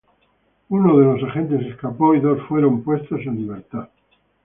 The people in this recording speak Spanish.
Uno de los agentes escapó y dos fueron puestos en libertad.